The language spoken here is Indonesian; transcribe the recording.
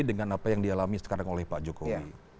dengan apa yang dialami sekarang oleh pak jokowi